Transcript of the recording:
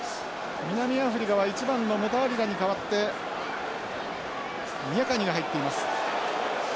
南アフリカは１番のムタワリラに代わってニャカネが入っています。